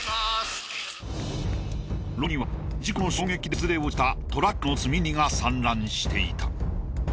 路上には事故の衝撃で崩れ落ちたトラックの積荷が散乱していた。